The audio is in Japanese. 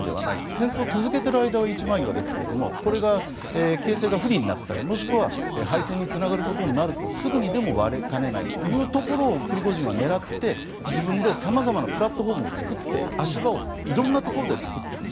戦争を続けている間は一枚岩ですがこれが形成が不利になったりもしくは敗戦につながることになるとすぐにでも割れかねないというところをプリゴジンは狙って、自分で様々なプラットフォームを作って足場を色んなところで作っている。